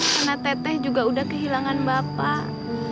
karena teh teh juga udah kehilangan bapak